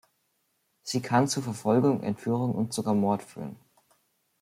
Sie kann zu Verfolgung, Entführung und sogar Mord führen.